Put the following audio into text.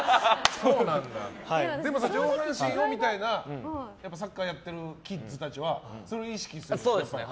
でも上半身をみたいなサッカーやってるキッズたちはその意識ですか。